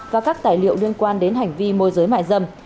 và các tài liệu liên quan đến hành vi môi giới mại dâm